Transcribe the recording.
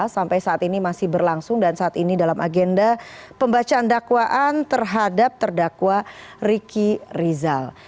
sampai saat ini masih berlangsung dan saat ini dalam agenda pembacaan dakwaan terhadap terdakwa riki rizal